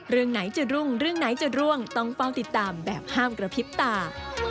เรื่องไหนจะรุ่งเรื่องไหนจะร่วงต้องเฝ้าติดตามแบบห้ามกระพริบตา